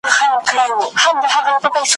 پر موسم د ارغوان به مي سفر وي ,